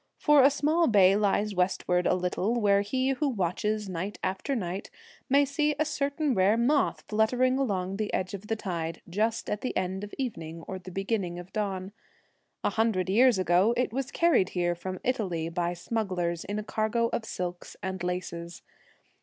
For a small bay lies westward a little, where he who watches night after night may see a certain rare moth fluttering along the edge of the tide, just at the end of evening or the beginning of dawn. A hundred years ago it was carried here from Italy by smugglers in a cargo of silks and laces.